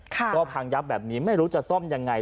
ก็พังยับแบบนี้ไม่รู้จะซ่อมยังไง